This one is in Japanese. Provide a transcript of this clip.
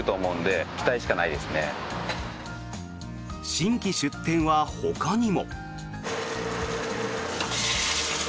新規出店はほかにも。